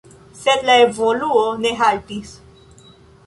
Sed la evoluo ne haltis.